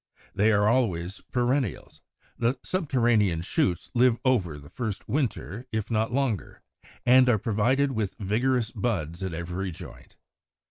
They are always perennials; the subterranean shoots live over the first winter, if not longer, and are provided with vigorous buds at every joint.